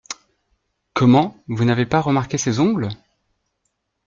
Comment, vous n’avez pas remarqué ses ongles ?…